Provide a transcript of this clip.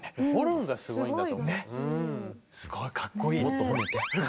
すごいかっこいい。